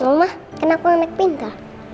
mama kenapa enak pinta